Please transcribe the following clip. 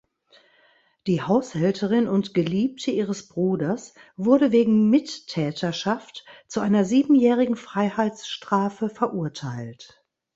Die Haushälterin und Geliebte ihres Bruders wurde wegen Mittäterschaft zu einer siebenjährigen Freiheitsstrafe verurteilt.